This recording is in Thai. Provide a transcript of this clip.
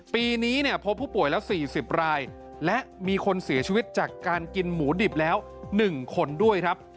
ปีนี้เนี่ยพบผู้ป่วยแล้ว๔๐รายและมีคนเสียชีวิตจากการกินหมูดิบแล้ว๑คนด้วยครับ